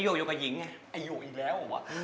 กูไม่ไหวแล้ว